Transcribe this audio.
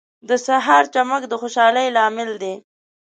• د سهار چمک د خوشحالۍ لامل دی.